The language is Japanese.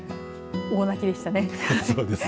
大泣きでしたね。